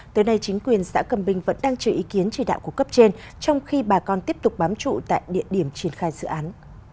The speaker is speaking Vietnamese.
tới nay chính quyền xã cầm bình vẫn đang chờ ý kiến chỉ đạo của cấp trên trong khi bà con tiếp tục bám trụ tại địa điểm triển khai dự án